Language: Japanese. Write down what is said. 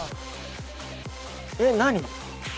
えっ何？